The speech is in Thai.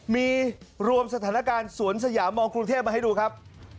มีรวมสถานการณ์สวนสยามมองกรุงเทพมาให้ดูครับ